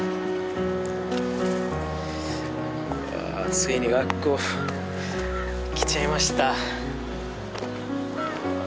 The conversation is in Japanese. ついに学校来ちゃいましたあ